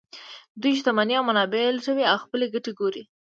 دوی شتمنۍ او منابع لوټوي او خپلې ګټې ګوري